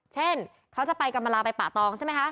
เช่นเขาจะไปกรรมลาไปป่าตองใช่ไหมคะ